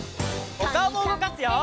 おかおもうごかすよ！